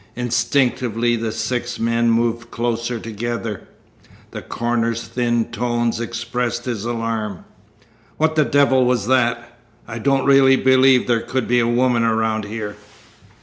Instinctively the six men moved closer together. The coroner's thin tones expressed his alarm: "What the devil was that? I don't really believe there could be a woman around here."